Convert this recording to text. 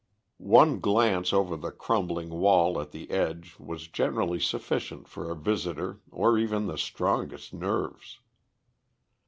One glance over the crumbling wall at the edge was generally sufficient for a visitor of even the strongest nerves.